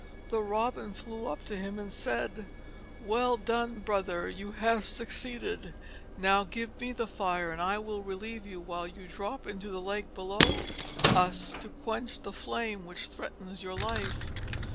The Robin flew up to him and said, "Well done, brother! You have succeeded. Now give me the fire and I will relieve you while you drop into the lake below us to quench the flame which threatens your life."